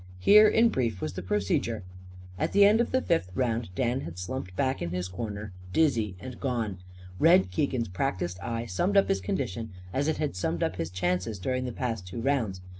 Here, in brief, was the procedure: At the end of the fifth round Dan had slumped back to his corner, dizzy and gone. Red Keegan's practised eye summed up his condition as it had summed up his chances during the past two rounds.